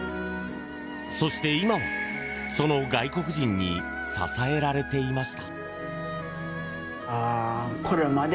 そして今は、その外国人に支えられていました。